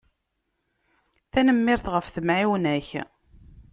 Tenmmirt ɣef temεiwna-ak.